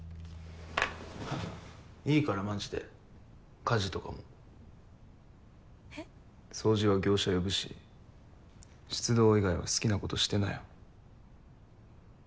いいからマジで家事とかも。えっ？掃除は業者呼ぶし出動以外は好きなことしてなよ。